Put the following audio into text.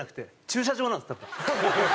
駐車場？